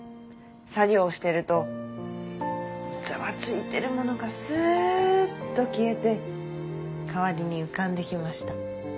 作業してるとざわついてるものがスッと消えて代わりに浮かんできました。